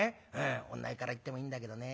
女湯から行ってもいいんだけどね。